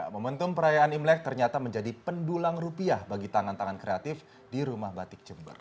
momentum perayaan imlek ternyata menjadi pendulang rupiah bagi tangan tangan kreatif di rumah batik jember